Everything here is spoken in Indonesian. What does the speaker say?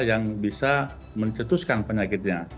yang bisa mencetuskan penyakitnya